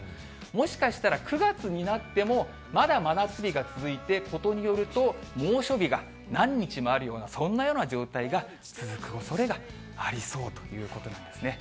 もしかしたら９月になっても、まだ真夏日が続いて、ことによると猛暑日が何日もあるような、そんなような状態が続くおそれがありそうということなんですね。